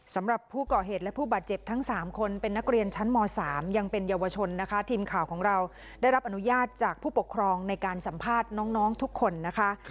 สำหรับผู้ก่อเหตุและผู้บาดเจ็บทั้ง๓คนเป็นนักเรียนชั้นม๓ยังเป็นเยาวชนนะคะทีมข่าวของเราได้รับอนุญาตจากผู้ปกครองในการสัมภาษณ์น้องทุกคนนะคะ